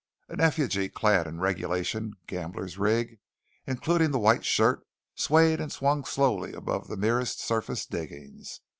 An effigy clad in regulation gambler's rig, including the white shirt, swayed and swung slowly above the merest surface diggings.